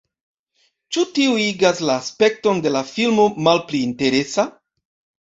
Ĉu tio igas la spekton de la filmo malpli interesa?